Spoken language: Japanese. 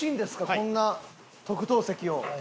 こんな特等席を。